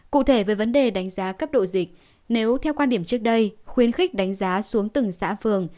cụ thể về vấn đề đánh giá cấp độ dịch nếu theo quan điểm trước đây khuyến khích đánh giá xuống từng xã phường